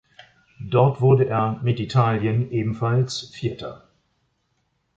Dort wurde er mit Italien ebenfalls Vierter.